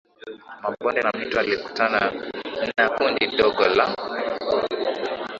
mabonde na mito nilikutana na kundi dogo la